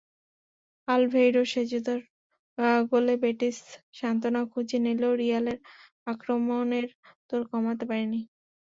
Alvaro সেজুদোর গোলে Betis সান্ত্বনা খুঁজে নিলেও রিয়ালের আক্রমণের তোড় কমাতে পারেনি।